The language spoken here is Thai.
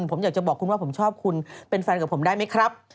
ผมอยากจะบอกคุณว่าผมชอบคุณเป็นแฟนกับผมได้ไหมครับ